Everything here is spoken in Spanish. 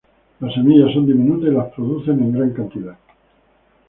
Las semillas son diminutas, y las producen en gran cantidad.